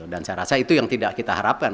dan saya rasa itu yang tidak kita harapkan